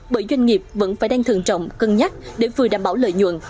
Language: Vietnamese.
bởi doanh nghiệp vẫn phải đang thường trọng cân nhắc để vừa đảm bảo lợi nhuận